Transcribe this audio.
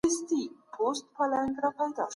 که تعلیمي ویډیوګانې واضح وي، موضوع سخته نه ښکاري.